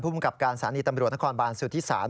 ผู้บุกรับการสารนี้ตบสุธิษศาล